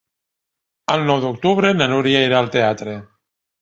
El nou d'octubre na Núria irà al teatre.